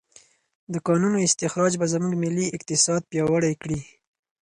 د کانونو استخراج به زموږ ملي اقتصاد پیاوړی کړي.